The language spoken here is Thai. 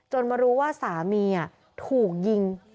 มารู้ว่าสามีถูกยิง